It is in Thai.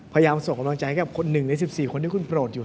พยายามส่งกำลังใจให้กับ๑ใน๑๔คนที่คุณโปรดอยู่